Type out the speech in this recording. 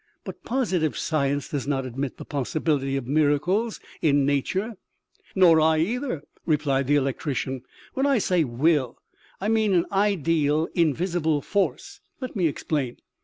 "But positive science does not admit the possibility of miracles in nature." " Nor I, either," replied the electrician. "When I say 'will,' I mean an ideal, invisible force. Let me explain.